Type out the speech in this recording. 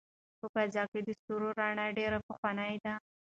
په فضا کې د ستورو رڼا ډېره پخوانۍ ده.